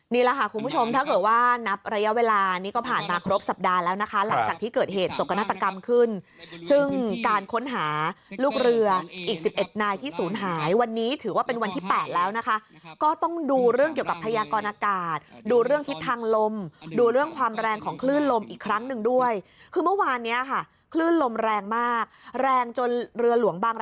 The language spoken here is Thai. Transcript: นี่แหละค่ะคุณผู้ชมถ้าเกิดว่านับระยะเวลานี้ก็ผ่านมาครบสัปดาห์แล้วนะคะหลังจากที่เกิดเหตุสกนาฏกรรมขึ้นซึ่งการค้นหาลูกเรืออีก๑๑นายที่ศูนย์หายวันนี้ถือว่าเป็นวันที่๘แล้วนะคะก็ต้องดูเรื่องเกี่ยวกับพยากรอากาศดูเรื่องทิศทางลมดูเรื่องความแรงของคลื่นลมอีกครั้งหนึ่งด้วยคือเมื่อวานเนี้ยค่ะคลื่นลมแรงมากแรงจนเรือหลวงบางร